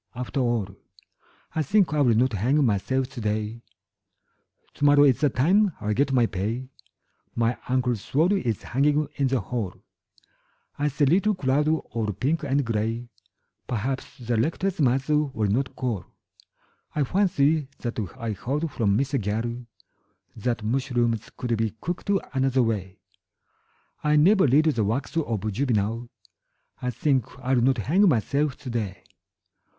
. After all I think I will not hang myself today. Tomorrow is the time I get my pay My uncle's sword is hanging in the hall I see a little cloud all pink and grey Perhaps the Rector's mother will not call I fancy that I heard from Mr Gall That mushrooms could be cooked another way I never read the works of Juvenal I think I will not hang myself today.